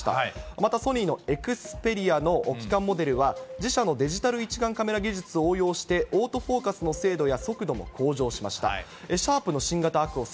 またソニーのエクスペリアの基幹モデルは、自社のデジタル一眼カメラ技術を応用して、自社のオートフォーカスの精度や速度も向上しました。